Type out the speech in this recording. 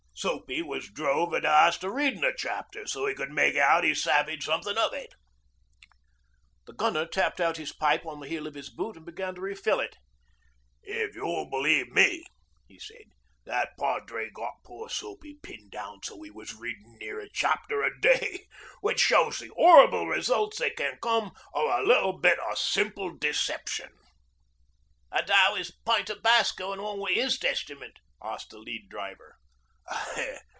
Soapy was drove at last to readin' a chapter, so 'e could make out 'e savvied something of it.' The Gunner tapped out his pipe on the heel of his boot and began to re fill it. 'If you'll believe me,' he said, 'that padre got poor Soapy pinned down so he was readin' near a chapter a day which shows the 'orrible results that can come o' a little bit of simple deception.' 'An' how is Pint o' Bass goin' on wi' his Testament?' asked the Lead Driver.